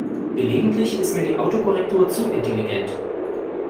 Gelegentlich ist mir die Autokorrektur zu intelligent.